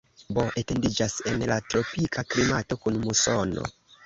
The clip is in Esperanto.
Bo etendiĝas en la tropika klimato kun musono.